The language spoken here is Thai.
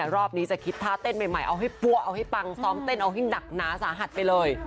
รอบนี้จะคิดท่าเต้นใหม่เอาให้ปั้วเอาให้ปังซ้อมเต้นเอาให้หนักหนาสาหัสไปเลย